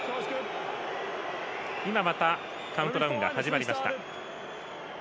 また、カウントダウンが始まりました。